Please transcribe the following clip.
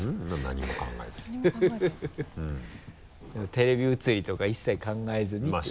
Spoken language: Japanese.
テレビ写りとか一切考えずにっていう。